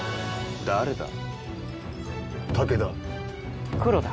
誰だ？